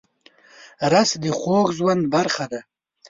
رس د خوږ ژوند برخه ده